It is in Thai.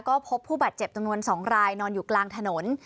ก็พบผู้บาดเจ็บจำนวน๒รายนอนอยู่กลางถนน